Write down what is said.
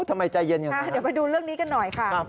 ทำไมใจเย็นอย่างนั้นเดี๋ยวไปดูเรื่องนี้กันหน่อยค่ะ